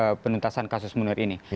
untuk penuntasan kasus munir ini